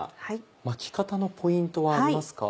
巻き方のポイントはありますか？